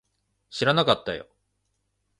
知らなかったよ